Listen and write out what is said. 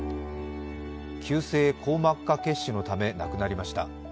急性硬膜下血腫のため亡くなりました。